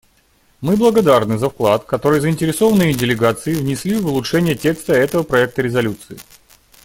Мы благодарны за вклад, который заинтересованные делегации внесли в улучшение текста этого проекта резолюции.